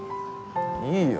いいよ